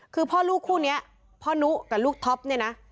คือพ่อลูกคู่นี้พ่อนุกับลูกท็อปเนี่ยนะ